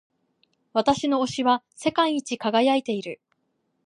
私の押しは世界一輝いている。